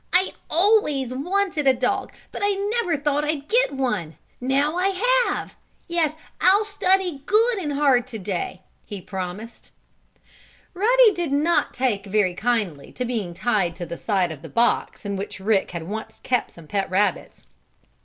"I always wanted a dog but I never thought I'd get one. Now I have! Yes, I'll study good and hard to day!" he promised. Ruddy did not take very kindly to being tied to the side of the box in which Rick had once kept some pet rabbits.